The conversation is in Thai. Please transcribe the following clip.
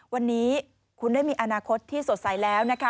วันนี้คุณได้มีอนาคตที่สดใสแล้วนะคะ